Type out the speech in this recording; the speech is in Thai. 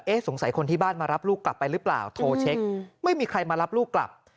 สงสัยคนที่บ้านมารับลูกกลับไปหรือเปล่าโทรเช็คไม่มีใครมารับลูกกลับ